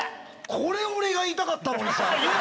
これを俺が言いたかったのにさ。